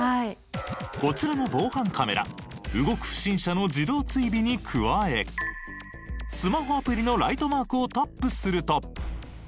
こちらの防犯カメラ動く不審者の自動追尾に加えスマホアプリのライトマークをタップすると。